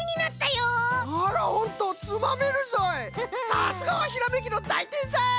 さすがはひらめきのだいてんさい！